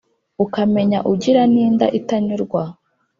ukamenya ugira n’inda itanyurwa